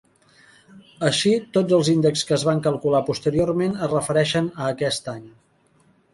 Així, tots els índexs que es van calculant posteriorment es refereixen a aquest any.